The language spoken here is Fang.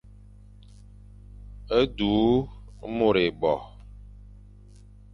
Du môr ébo.